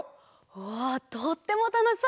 うわとってもたのしそうだね。